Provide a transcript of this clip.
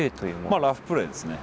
まあラフプレーですね